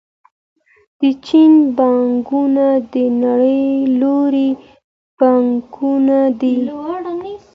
د چین بانکونه د نړۍ لوی بانکونه دي.